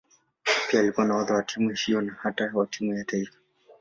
Pia alikuwa nahodha wa timu hiyo na hata wa timu ya taifa.